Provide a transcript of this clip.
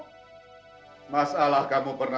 yang ada sekarang mahkamah semuanya